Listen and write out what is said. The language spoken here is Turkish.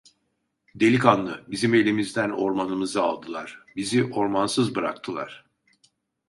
Delikanlı, bizim elimizden ormanımızı aldılar, bizi ormansız bıraktılar…